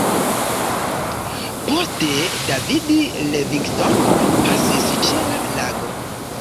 Poste David Livingstone pasis ĉe la lago.